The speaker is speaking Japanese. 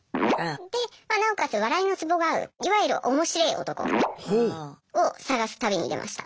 でなおかつ笑いのツボが合ういわゆるおもしれー男を探す旅に出ました。